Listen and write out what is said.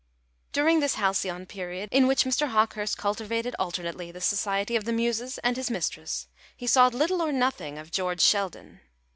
During this halcyon period, in which Mr. Hawkehurst cultivated alternately the society of the Muses and his mistress, he saw little or nothing of George Sheldon.